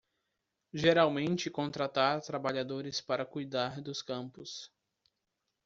Geralmente contratar trabalhadores para cuidar dos campos